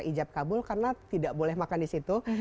ijab kabul karena tidak boleh makan di situ